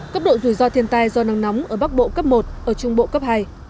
cấp độ rủi ro thiên tai do nắng nóng ở bắc bộ cấp một ở trung bộ cấp hai